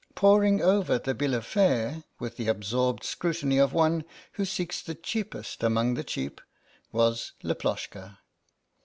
Poring over the bill of fare with the absorbed scrutiny of one who seeks the cheapest among the cheap was Laploshka.